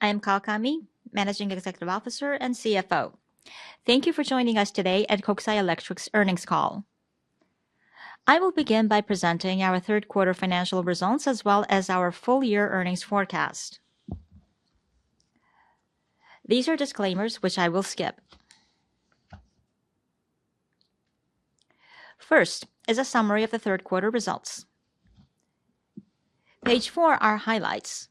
I am Kawakami, Managing Executive Officer and CFO. Thank you for joining us today at Kokusai Electric's earnings call. I will begin by presenting our third quarter financial results as well as our full-year earnings forecast. These are disclaimers which I will skip. First is a summary of the third quarter results. Page four are highlights.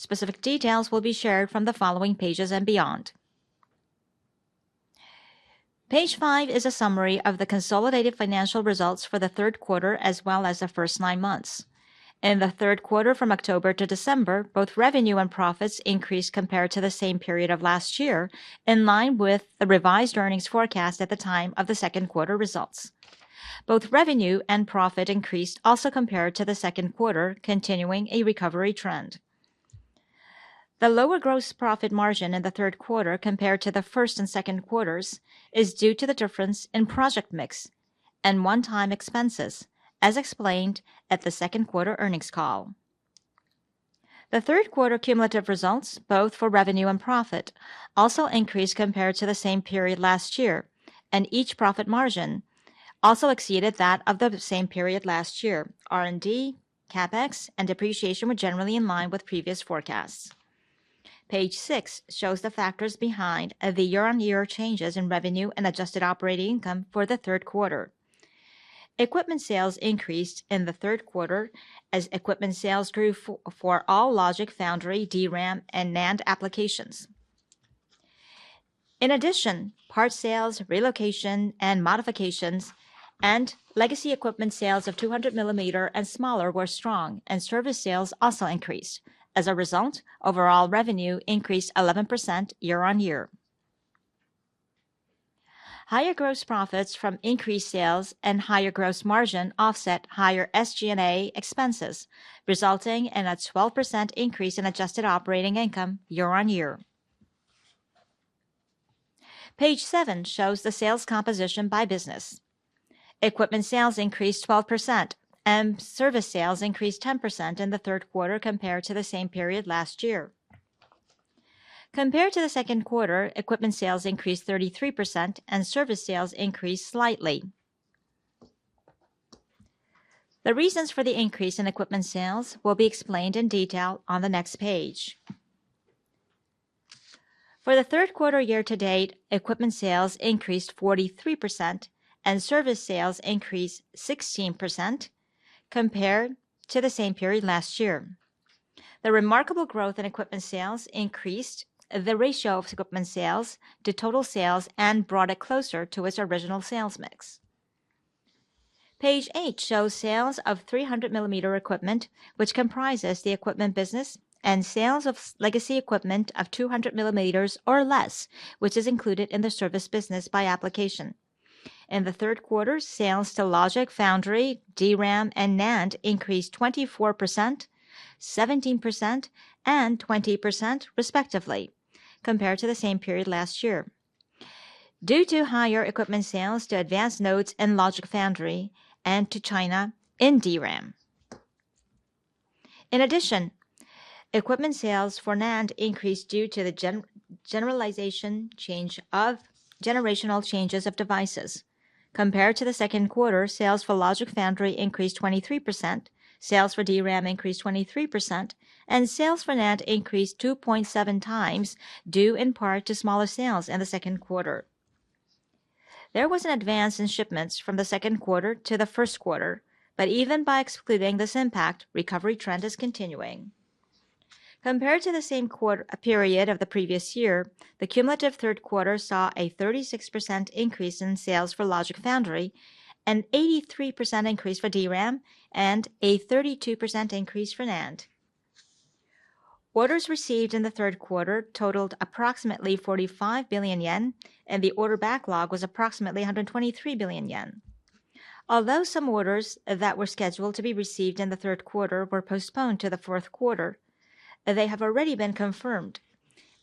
Specific details will be shared from the following pages and beyond. Page five is a summary of the consolidated financial results for the third quarter as well as the first nine months. In the third quarter from October to December, both revenue and profits increased compared to the same period of last year, in line with the revised earnings forecast at the time of the second quarter results. Both revenue and profit increased also compared to the second quarter, continuing a recovery trend. The lower gross profit margin in the third quarter compared to the first and second quarters is due to the difference in project mix and one-time expenses, as explained at the second quarter earnings call. The third quarter cumulative results, both for revenue and profit, also increased compared to the same period last year, and each profit margin also exceeded that of the same period last year. R&D, CapEx, and depreciation were generally in line with previous forecasts. Page six shows the factors behind the year-on-year changes in revenue and adjusted operating income for the third quarter. Equipment sales increased in the third quarter as equipment sales grew for all Logic/Foundry, DRAM, and NAND applications. In addition, parts sales, relocation, and modifications, and legacy equipment sales of 200 mm and smaller were strong, and service sales also increased. As a result, overall revenue increased 11% year-on-year. Higher gross profits from increased sales and higher gross margin offset higher SG&A expenses, resulting in a 12% increase in adjusted operating income year-on-year. Page seven shows the sales composition by business. Equipment sales increased 12%, and service sales increased 10% in the third quarter compared to the same period last year. Compared to the second quarter, equipment sales increased 33%, and service sales increased slightly. The reasons for the increase in equipment sales will be explained in detail on the next page. For the third quarter year-to-date, equipment sales increased 43%, and service sales increased 16% compared to the same period last year. The remarkable growth in equipment sales increased the ratio of equipment sales to total sales and brought it closer to its original sales mix. Page eight shows sales of 300 mm equipment, which comprises the equipment business, and sales of legacy equipment of 200 mm or less, which is included in the service business by application. In the third quarter, sales to Logic/Foundry, DRAM, and NAND increased 24%, 17%, and 20% respectively compared to the same period last year due to higher equipment sales to advanced nodes in Logic/Foundry, and to China in DRAM. In addition, equipment sales for NAND increased due to the generational changes of devices. Compared to the second quarter, sales for Logic/Foundry increased 23%, sales for DRAM increased 23%, and sales for NAND increased 2.7x due in part to smaller sales in the second quarter. There was an advance in shipments from the second quarter to the first quarter, but even by excluding this impact, the recovery trend is continuing. Compared to the same period of the previous year, the cumulative third quarter saw a 36% increase in sales for Logic/Foundry, an 83% increase for DRAM, and a 32% increase for NAND. Orders received in the third quarter totaled approximately 45 billion yen, and the order backlog was approximately 123 billion yen. Although some orders that were scheduled to be received in the third quarter were postponed to the fourth quarter, they have already been confirmed,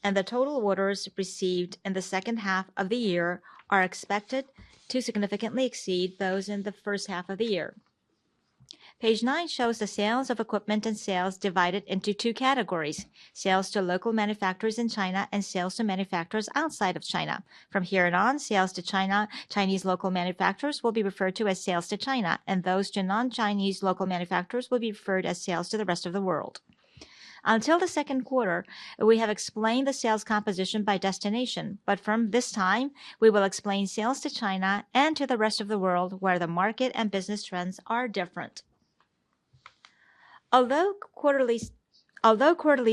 and the total orders received in the second half of the year are expected to significantly exceed those in the first half of the year. Page nine shows the sales of equipment and sales divided into two categories: sales to local manufacturers in China and sales to manufacturers outside of China. From here on, sales to Chinese local manufacturers will be referred to as sales to China, and those to non-Chinese local manufacturers will be referred as sales to the rest of the world. Until the second quarter, we have explained the sales composition by destination, but from this time, we will explain sales to China and to the rest of the world where the market and business trends are different. Although quarterly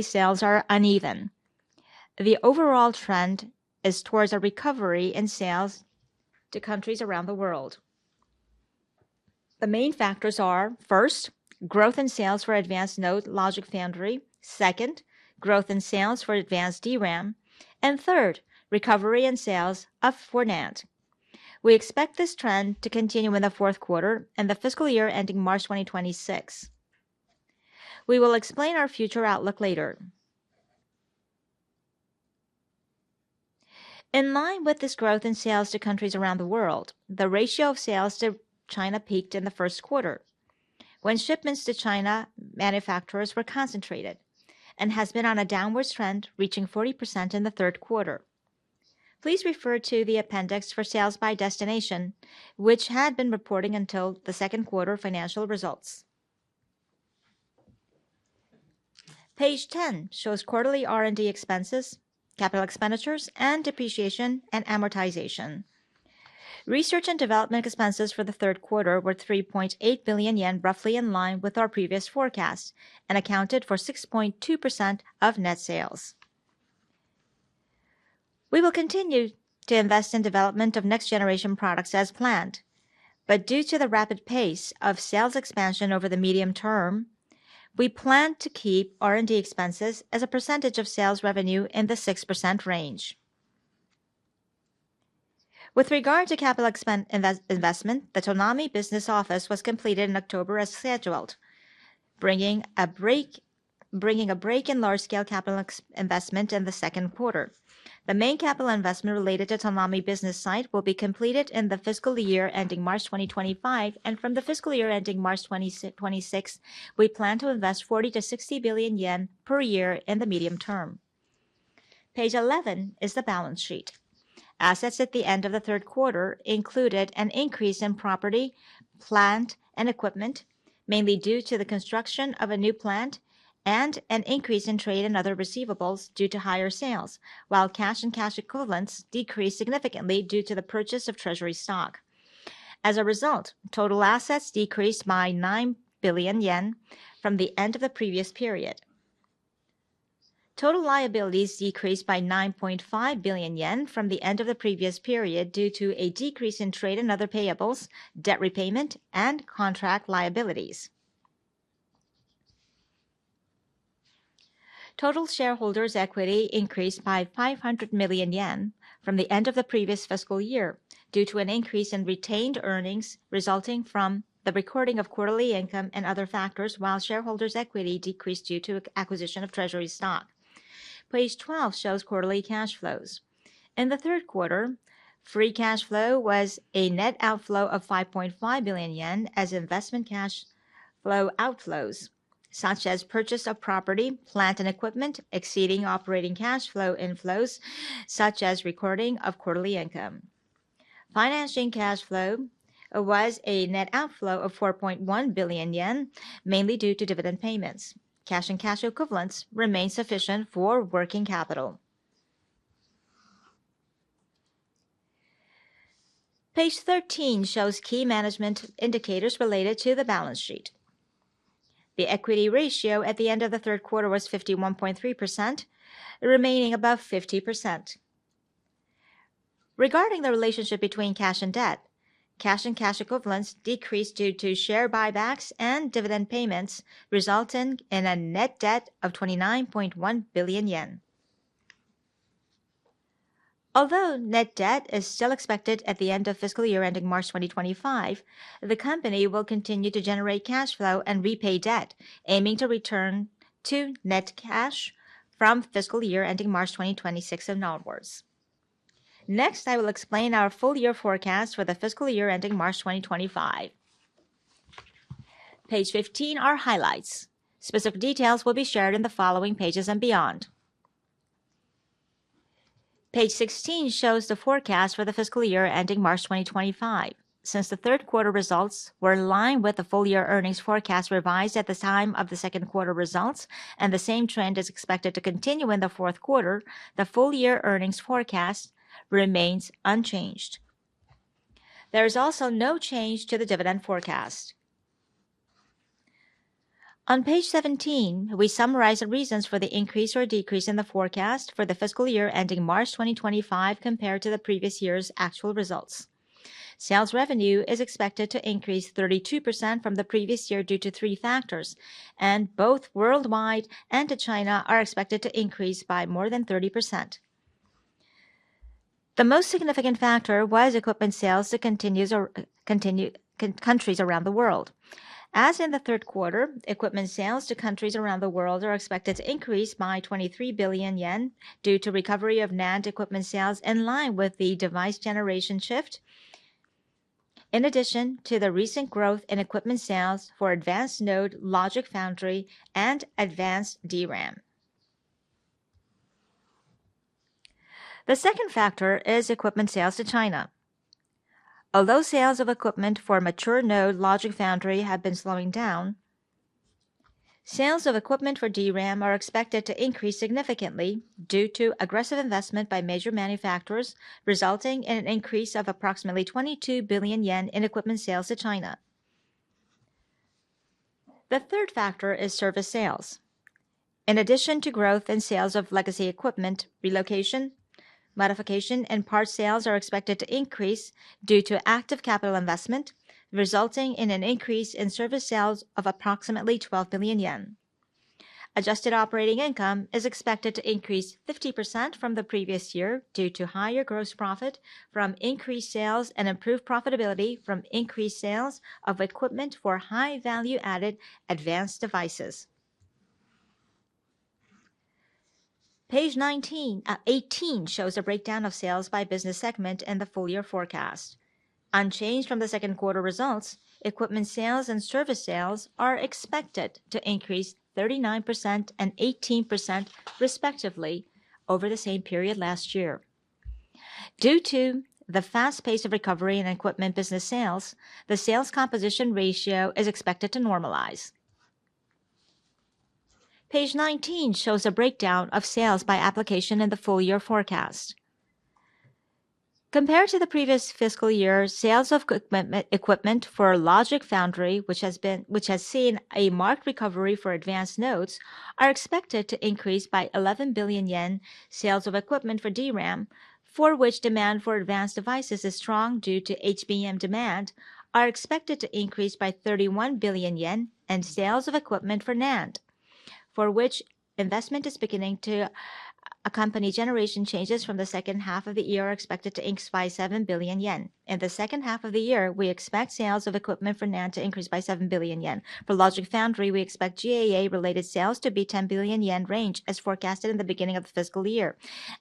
sales are uneven, the overall trend is towards a recovery in sales to countries around the world. The main factors are, first, growth in sales for advanced node Logic/Foundry, second, growth in sales for advanced DRAM, and third, recovery in sales for NAND. We expect this trend to continue in the fourth quarter and the fiscal year ending March 2026. We will explain our future outlook later. In line with this growth in sales to countries around the world, the ratio of sales to China peaked in the first quarter when shipments to China manufacturers were concentrated and has been on a downward trend reaching 40% in the third quarter. Please refer to the appendix for sales by destination, which had been reporting until the second quarter financial results. Page 10 shows quarterly R&D expenses, capital expenditures, and depreciation and amortization. Research and development expenses for the third quarter were 3.8 billion yen, roughly in line with our previous forecast, and accounted for 6.2% of net sales. We will continue to invest in development of next-generation products as planned, but due to the rapid pace of sales expansion over the medium term, we plan to keep R&D expenses as a percentage of sales revenue in the 6% range. With regard to capital investment, the Tonami business office was completed in October as scheduled, bringing a break in large-scale capital investment in the second quarter. The main capital investment related to Tonami business site will be completed in the fiscal year ending March 2025, and from the fiscal year ending March 2026, we plan to invest 40 billion-60 billion yen per year in the medium term. Page 11 is the balance sheet. Assets at the end of the third quarter included an increase in property, plant, and equipment, mainly due to the construction of a new plant, and an increase in trade and other receivables due to higher sales, while cash and cash equivalents decreased significantly due to the purchase of treasury stock. As a result, total assets decreased by 9 billion yen from the end of the previous period. Total liabilities decreased by 9.5 billion yen from the end of the previous period due to a decrease in trade and other payables, debt repayment, and contract liabilities. Total shareholders' equity increased by 500 million yen from the end of the previous fiscal year due to an increase in retained earnings resulting from the recording of quarterly income and other factors, while shareholders' equity decreased due to acquisition of treasury stock. Page 12 shows quarterly cash flows. In the third quarter, free cash flow was a net outflow of 5.5 billion yen as investment cash flow outflows, such as purchase of property, plant, and equipment, exceeding operating cash flow inflows, such as recording of quarterly income. Financing cash flow was a net outflow of 4.1 billion yen, mainly due to dividend payments. Cash and cash equivalents remain sufficient for working capital. Page 13 shows key management indicators related to the balance sheet. The equity ratio at the end of the third quarter was 51.3%, remaining above 50%. Regarding the relationship between cash and debt, cash and cash equivalents decreased due to share buybacks and dividend payments, resulting in a net debt of 29.1 billion yen. Although net debt is still expected at the end of fiscal year ending March 2025, the company will continue to generate cash flow and repay debt, aiming to return to net cash from fiscal year ending March 2026 and onwards. Next, I will explain our full-year forecast for the fiscal year ending March 2025. Page 15 are highlights. Specific details will be shared in the following pages and beyond. Page 16 shows the forecast for the fiscal year ending March 2025. Since the third quarter results were in line with the full-year earnings forecast revised at the time of the second quarter results, and the same trend is expected to continue in the fourth quarter, the full-year earnings forecast remains unchanged. There is also no change to the dividend forecast. On page 17, we summarize the reasons for the increase or decrease in the forecast for the fiscal year ending March 2025 compared to the previous year's actual results. Sales revenue is expected to increase 32% from the previous year due to three factors, and both worldwide and to China are expected to increase by more than 30%. The most significant factor was equipment sales to countries around the world. As in the third quarter, equipment sales to countries around the world are expected to increase by 23 billion yen due to recovery of NAND equipment sales in line with the device generation shift, in addition to the recent growth in equipment sales for advanced node Logic/Foundry, and advanced DRAM. The second factor is equipment sales to China. Although sales of equipment for mature node Logic/Foundry have been slowing down, sales of equipment for DRAM are expected to increase significantly due to aggressive investment by major manufacturers, resulting in an increase of approximately 22 billion yen in equipment sales to China. The third factor is service sales. In addition to growth in sales of legacy equipment, relocation, modification, and part sales are expected to increase due to active capital investment, resulting in an increase in service sales of approximately 12 billion yen. Adjusted operating income is expected to increase 50% from the previous year due to higher gross profit from increased sales and improved profitability from increased sales of equipment for high-value-added advanced devices. Page 18 shows a breakdown of sales by business segment in the full-year forecast. Unchanged from the second quarter results, equipment sales and service sales are expected to increase 39% and 18% respectively over the same period last year. Due to the fast pace of recovery in equipment business sales, the sales composition ratio is expected to normalize. Page 19 shows a breakdown of sales by application in the full-year forecast. Compared to the previous fiscal year, sales of equipment for Logic/Foundry, which has seen a marked recovery for advanced nodes, are expected to increase by 11 billion yen. Sales of equipment for DRAM, for which demand for advanced devices is strong due to HBM demand, are expected to increase by 31 billion yen, and sales of equipment for NAND, for which investment is beginning to accompany generation changes from the second half of the year, are expected to increase by 7 billion yen. In the second half of the year, we expect sales of equipment for NAND to increase by 7 billion yen. For Logic/Foundry, we expect GAA-related sales to be 10 billion yen range, as forecasted in the beginning of the fiscal year,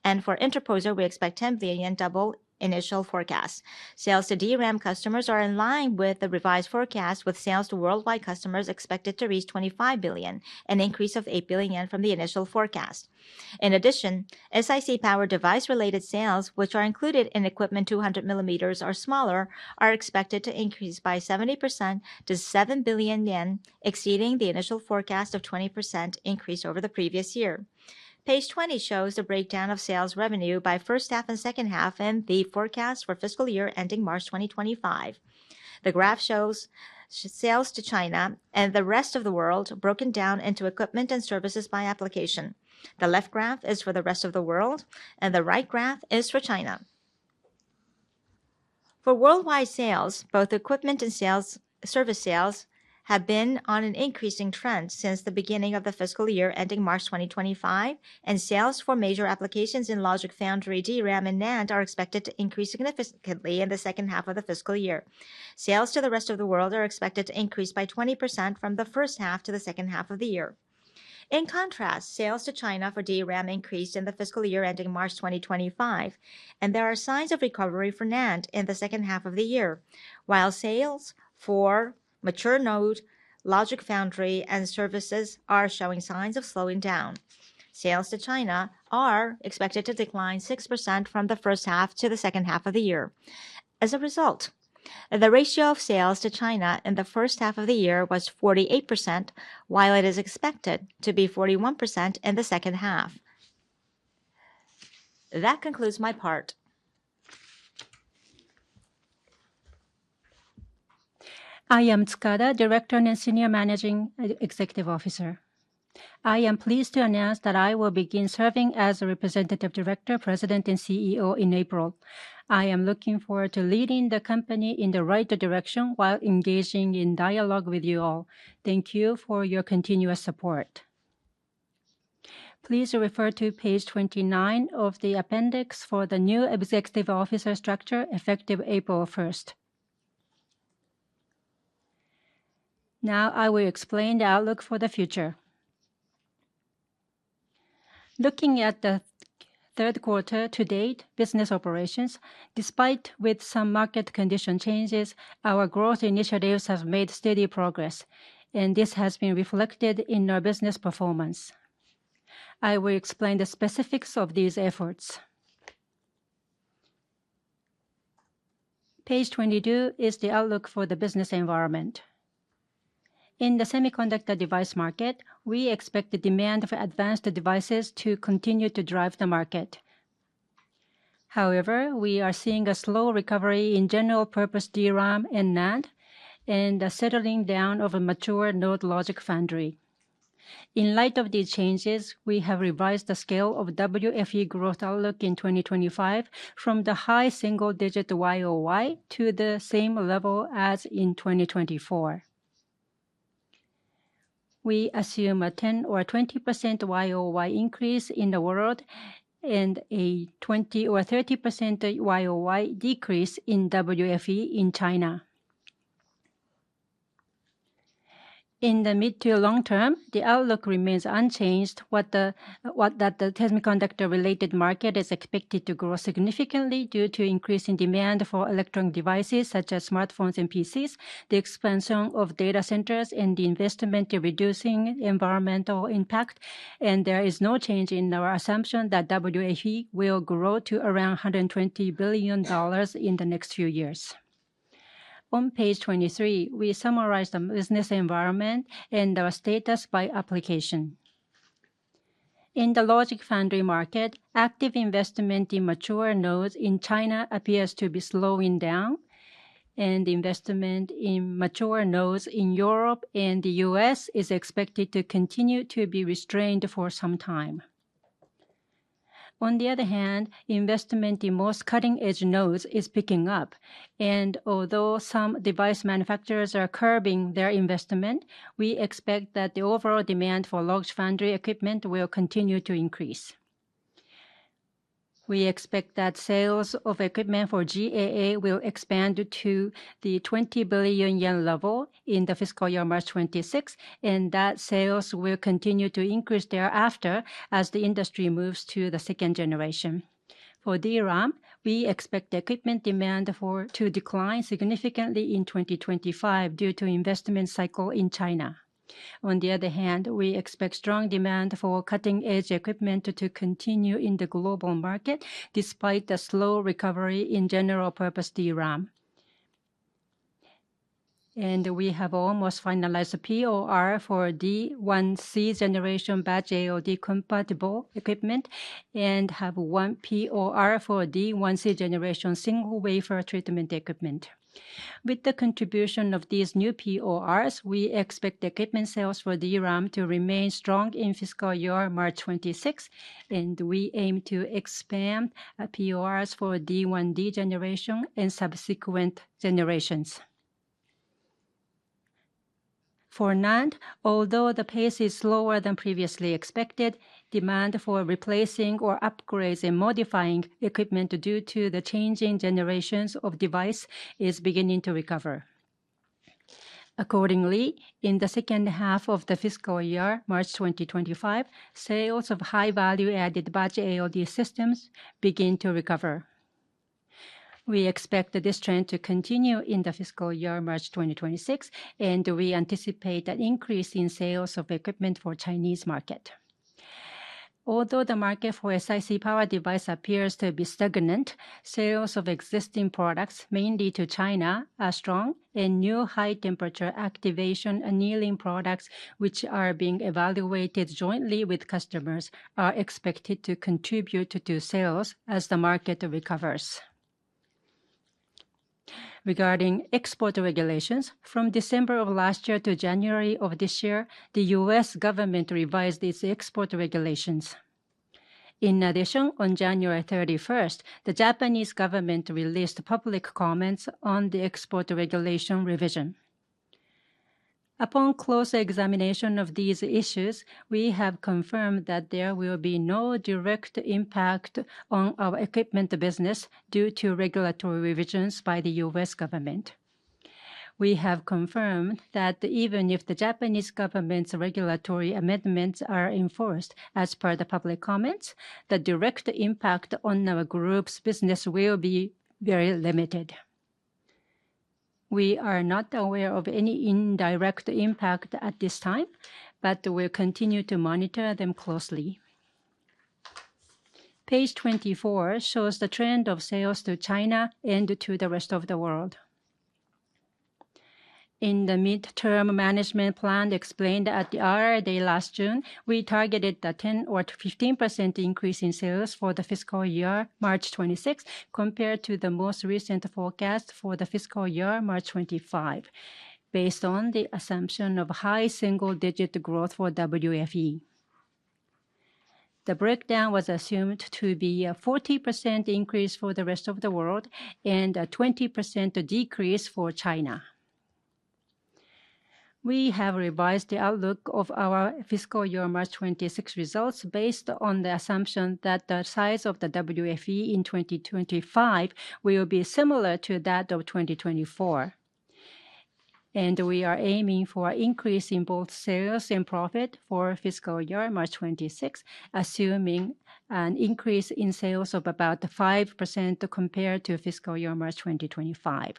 and for interposer, we expect 10 billion yen double initial forecast. Sales to DRAM customers are in line with the revised forecast, with sales to worldwide customers expected to reach 25 billion, an increase of 8 billion yen from the initial forecast. In addition, SiC power device-related sales, which are included in equipment 200 mm or smaller, are expected to increase by 70% to 7 billion yen, exceeding the initial forecast of 20% increase over the previous year. Page 20 shows the breakdown of sales revenue by first half and second half in the forecast for fiscal year ending March 2025. The graph shows sales to China and the rest of the world broken down into equipment and services by application. The left graph is for the rest of the world, and the right graph is for China. For worldwide sales, both equipment and service sales have been on an increasing trend since the beginning of the fiscal year ending March 2025, and sales for major applications in Logic/Foundry, DRAM, and NAND are expected to increase significantly in the second half of the fiscal year. Sales to the rest of the world are expected to increase by 20% from the first half to the second half of the year. In contrast, sales to China for DRAM increased in the fiscal year ending March 2025, and there are signs of recovery for NAND in the second half of the year, while sales for mature node Logic/Foundry, and services are showing signs of slowing down. Sales to China are expected to decline 6% from the first half to the second half of the year. As a result, the ratio of sales to China in the first half of the year was 48%, while it is expected to be 41% in the second half. That concludes my part. I am Tsukada, Director and Senior Managing Executive Officer. I am pleased to announce that I will begin serving as a Representative Director, President, and CEO in April. I am looking forward to leading the company in the right direction while engaging in dialogue with you all. Thank you for your continuous support. Please refer to page 29 of the appendix for the new Executive Officer structure effective April 1st. Now, I will explain the outlook for the future. Looking at the third quarter to date, business operations, despite some market condition changes, our growth initiatives have made steady progress, and this has been reflected in our business performance. I will explain the specifics of these efforts. Page 22 is the outlook for the business environment. In the semiconductor device market, we expect the demand for advanced devices to continue to drive the market. However, we are seeing a slow recovery in general-purpose DRAM and NAND and a settling down of a mature node Logic/Foundry. In light of these changes, we have revised the scale of WFE growth outlook in 2025 from the high single-digit YoY to the same level as in 2024. We assume a 10% or 20% YoY increase in the world and a 20% or 30% YoY decrease in WFE in China. In the mid to long term, the outlook remains unchanged, what the semiconductor-related market is expected to grow significantly due to increasing demand for electronic devices such as smartphones and PCs, the expansion of data centers, and the investment in reducing environmental impact, and there is no change in our assumption that WFE will grow to around $120 billion in the next few years. On page 23, we summarize the business environment and our status by application. In the Logic/Foundry market, active investment in mature nodes in China appears to be slowing down, and investment in mature nodes in Europe and the U.S. is expected to continue to be restrained for some time. On the other hand, investment in most cutting-edge nodes is picking up, and although some device manufacturers are curbing their investment, we expect that the overall demand for Logic/Foundry equipment will continue to increase. We expect that sales of equipment for GAA will expand to the 20 billion yen level in the fiscal year March 2026, and that sales will continue to increase thereafter as the industry moves to the second generation. For DRAM, we expect equipment demand to decline significantly in 2025 due to investment cycle in China. On the other hand, we expect strong demand for cutting-edge equipment to continue in the global market despite the slow recovery in general-purpose DRAM. And we have almost finalized POR for D1c generation batch ALD compatible equipment and have one POR for D1c generation single-wafer treatment equipment. With the contribution of these new PORs, we expect equipment sales for DRAM to remain strong in fiscal year March 2026, and we aim to expand PORs for D1d generation and subsequent generations. For NAND, although the pace is slower than previously expected, demand for replacing or upgrading and modifying equipment due to the changing generations of devices is beginning to recover. Accordingly, in the second half of the fiscal year, March 2025, sales of high-value-added batch ALD systems begin to recover. We expect this trend to continue in the fiscal year March 2026, and we anticipate an increase in sales of equipment for the Chinese market. Although the market for SiC power devices appears to be stagnant, sales of existing products, mainly to China, are strong, and new high-temperature activation annealing products, which are being evaluated jointly with customers, are expected to contribute to sales as the market recovers. Regarding export regulations, from December of last year to January of this year, the U.S. government revised its export regulations. In addition, on January 31st, the Japanese government released public comments on the export regulation revision. Upon close examination of these issues, we have confirmed that there will be no direct impact on our equipment business due to regulatory revisions by the U.S. government. We have confirmed that even if the Japanese government's regulatory amendments are enforced as per the public comments, the direct impact on our group's business will be very limited. We are not aware of any indirect impact at this time, but we will continue to monitor them closely. Page 24 shows the trend of sales to China and to the rest of the world. In the midterm management plan explained at the IR Day last June, we targeted a 10% or 15% increase in sales for the fiscal year March 2026 compared to the most recent forecast for the fiscal year March 2025, based on the assumption of high single-digit growth for WFE. The breakdown was assumed to be a 40% increase for the rest of the world and a 20% decrease for China. We have revised the outlook of our fiscal year March 2026 results based on the assumption that the size of the WFE in 2025 will be similar to that of 2024, and we are aiming for an increase in both sales and profit for fiscal year March 2026, assuming an increase in sales of about 5% compared to fiscal year March 2025.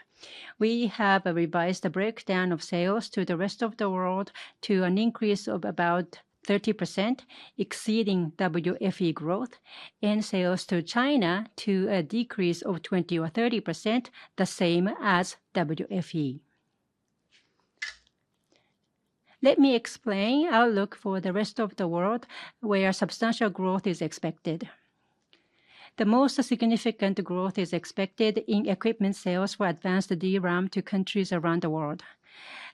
We have revised the breakdown of sales to the rest of the world to an increase of about 30%, exceeding WFE growth, and sales to China to a decrease of 20%-30%, the same as WFE. Let me explain our outlook for the rest of the world where substantial growth is expected. The most significant growth is expected in equipment sales for advanced DRAM to countries around the world.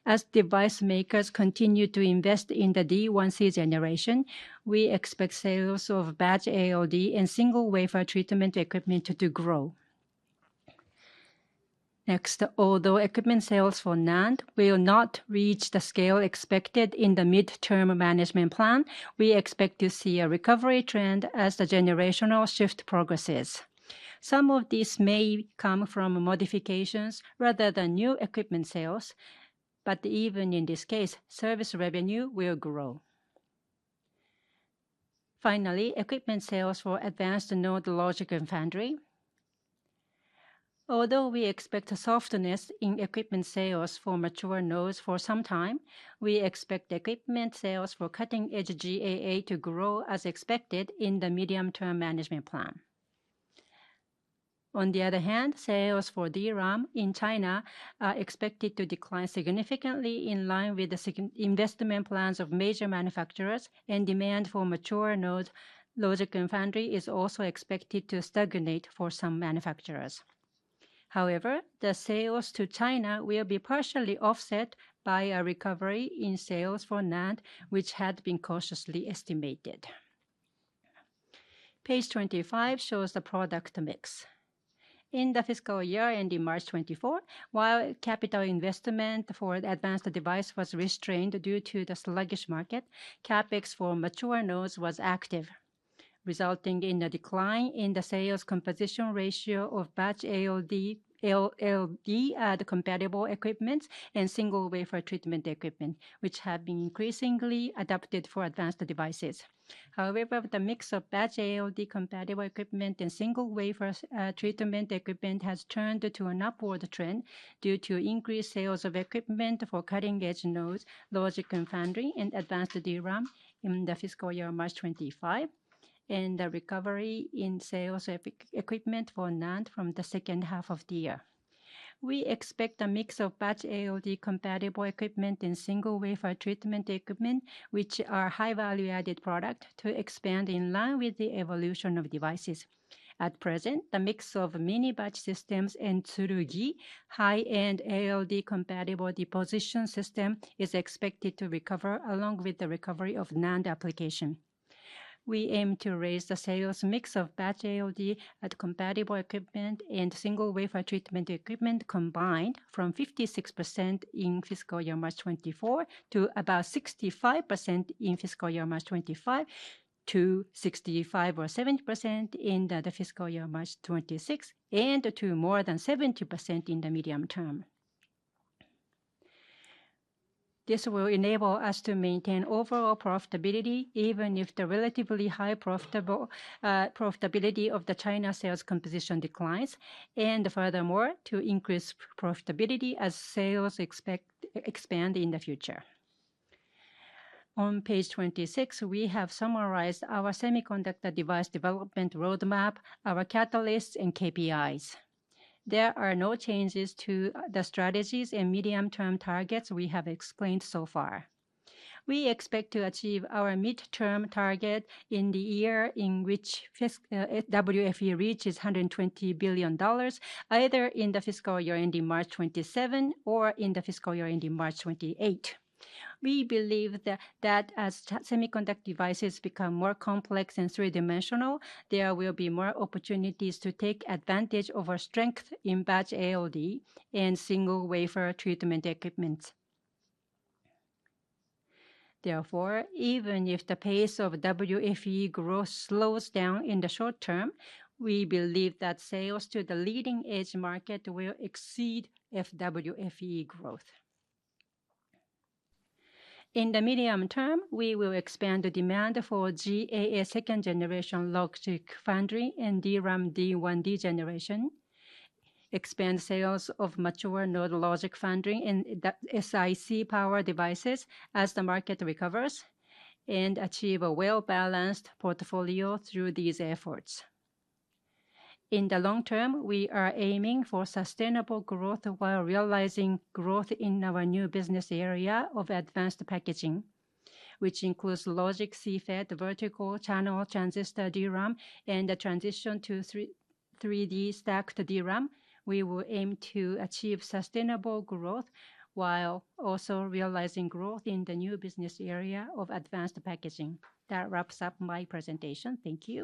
As device makers continue to invest in the D1c generation, we expect sales of batch ALD and single-wafer treatment equipment to grow. Next, although equipment sales for NAND will not reach the scale expected in the midterm management plan, we expect to see a recovery trend as the generational shift progresses. Some of this may come from modifications rather than new equipment sales, but even in this case, service revenue will grow. Finally, equipment sales for advanced node Logic/Foundry. Although we expect softness in equipment sales for mature nodes for some time, we expect equipment sales for cutting-edge GAA to grow as expected in the medium-term management plan. On the other hand, sales for DRAM in China are expected to decline significantly in line with the investment plans of major manufacturers, and demand for mature node Logic/Foundry is also expected to stagnate for some manufacturers. However, the sales to China will be partially offset by a recovery in sales for NAND, which had been cautiously estimated. Page 25 shows the product mix. In the fiscal year ending March 2024, while capital investment for advanced devices was restrained due to the sluggish market, CapEx for Mature Nodes was active, resulting in a decline in the sales composition ratio of batch ALD compatible equipment and single-wafer treatment equipment, which have been increasingly adopted for advanced devices. However, the mix of batch ALD compatible equipment and single-wafer treatment equipment has turned to an upward trend due to increased sales of equipment for cutting-edge nodes Logic/Foundry and Advanced DRAM in the fiscal year March 2025, and a recovery in sales of equipment for NAND from the second half of the year. We expect a mix of batch ALD compatible equipment and single-wafer treatment equipment, which are high-value-added products, to expand in line with the evolution of devices. At present, the mix of mini-batch systems and TSURUGI high-end ALD compatible deposition system is expected to recover along with the recovery of NAND application. We aim to raise the sales mix of batch ALD compatible equipment and single-wafer treatment equipment combined from 56% in fiscal year March 2024 to about 65% in fiscal year March 2025 to 65% or 70% in the fiscal year March 2026 and to more than 70% in the medium term. This will enable us to maintain overall profitability even if the relatively high profitability of the China sales composition declines and furthermore to increase profitability as sales expand in the future. On page 26, we have summarized our semiconductor device development roadmap, our catalysts, and KPIs. There are no changes to the strategies and medium-term targets we have explained so far. We expect to achieve our midterm target in the year in which WFE reaches $120 billion, either in the fiscal year ending March 2027 or in the fiscal year ending March 2028. We believe that as semiconductor devices become more complex and three-dimensional, there will be more opportunities to take advantage of our strength in batch ALD and single-wafer treatment equipment. Therefore, even if the pace of WFE growth slows down in the short term, we believe that sales to the leading-edge market will exceed WFE growth. In the medium term, we will expand the demand for GAA second-generation Logic/Foundry, and DRAM D1d generation, expand sales of mature node Logic/Foundry, and SiC power devices as the market recovers, and achieve a well-balanced portfolio through these efforts. In the long term, we are aiming for sustainable growth while realizing growth in our new business area of advanced packaging, which includes Logic, CFET, vertical channel transistor DRAM, and the transition to 3D stacked DRAM. We will aim to achieve sustainable growth while also realizing growth in the new business area of advanced packaging. That wraps up my presentation. Thank you.